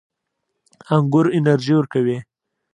انګور انرژي ورکوي